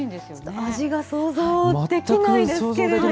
味が想像できないですけれども。